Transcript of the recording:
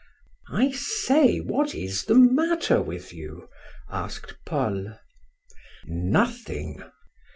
"I say, what is the matter with you?" asked Paul. "Nothing!"